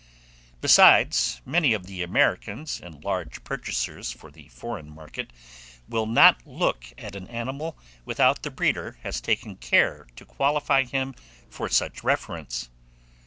Besides, many of the Americans, and large purchasers for the foreign market, will not look at an animal without the breeder has taken care to qualify him for such reference.